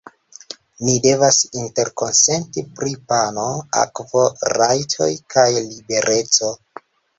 Ni devas interkonsenti pri pano, akvo, rajtoj kaj libereco.